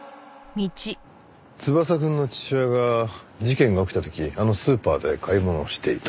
翼くんの父親が事件が起きた時あのスーパーで買い物をしていた。